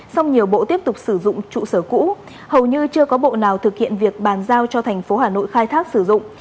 sau nhiều bộ tiếp tục sử dụng trụ sở cũ hầu như chưa có bộ nào thực hiện việc bàn giao cho tp hà nội khai thác sử dụng